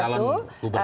calon kepala daerah